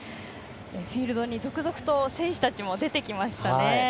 フィールドに続々と選手たちも出てきましたね。